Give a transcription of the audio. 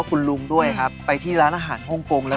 จนตอนนี้มีธุรกิจของตัวเองแล้ว